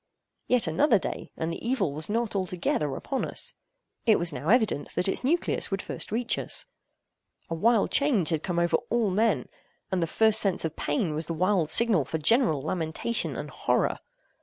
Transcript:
Yet another day—and the evil was not altogether upon us. It was now evident that its nucleus would first reach us. A wild change had come over all men; and the first sense of pain was the wild signal for general lamentation and horror.